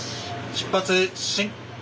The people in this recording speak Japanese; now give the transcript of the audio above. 出発進行。